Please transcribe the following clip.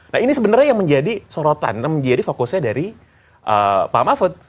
nah ini sebenarnya yang menjadi sorotan yang menjadi fokusnya dari pak mahfud